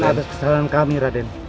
ada kesalahan kami raden